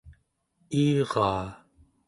iiraa